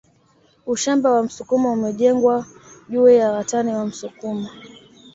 Ushamba wa msukuma umejengwa juu ya watani wa msukuma